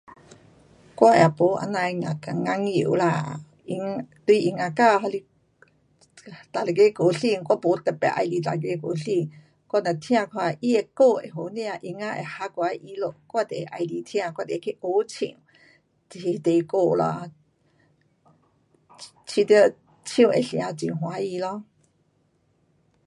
我也没这样的研，研究啦，音，对音乐家还是哪一个歌星我没特别喜欢哪一个歌星。我只听看他的歌会好听，音乐会合我的意思，我就会喜欢听。我就会去学唱，那一提歌咯。觉得唱得成很欢喜咯。